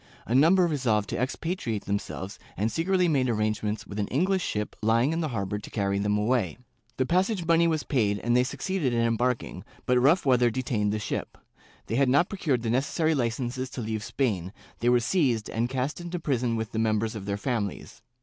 A number resolved to expatri ate themselves and secretly made arrangements with an English ship lying in the harbor to carry them away. The passage money was paid and they succeeded in embarking, but rough weather detained the ship; they had not procured the necessary Ucences to leave Spain, they were seized and cast into prison with the members of their families.